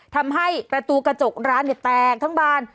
ทำให้ประตูกระจกร้านแตกทั้งบาน